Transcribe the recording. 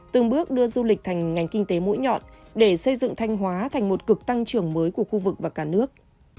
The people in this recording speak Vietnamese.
từng bước đưa du lịch thành ngành kinh tế mũi nhọn để xây dựng thanh hóa thành một cực tăng trưởng mới của khu vực và cả nước